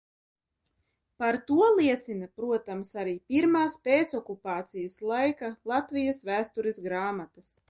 Par to liecina, protams, arī pirmās pēcokupācijas laika Latvijas vēstures grāmatas.